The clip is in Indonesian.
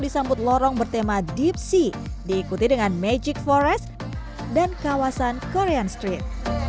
disambut lorong bertema deep sea diikuti dengan magic forest dan kawasan korean street